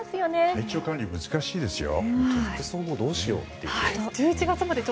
体調管理が難しいですよ。